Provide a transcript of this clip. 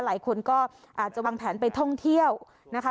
หลายคนก็อาจจะวางแผนไปท่องเที่ยวนะคะ